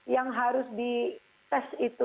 yang harus dites itu